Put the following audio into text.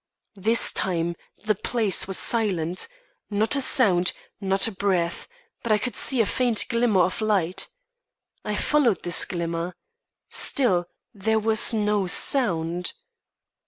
This time the place was silent not a sound, not a breath, but I could see a faint glimmer of light. I followed this glimmer. Still there was no sound.